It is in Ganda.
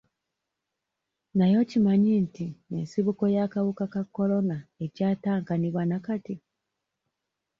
Naye okimanyi nti ensibuko y'akawuka ka Corona ekyatankanibwa na kati?